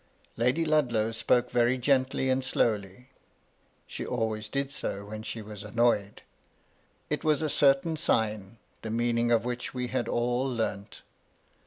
Lady Ludlow spoke very gently and slowly; she VOL. I, D 50 MY LADY LUDLOW. always did so when she was annoyed ; it was a certain sign, the meaning of which we had all learnt.